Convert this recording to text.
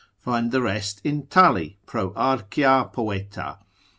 find the rest in Tully pro Archia Poeta.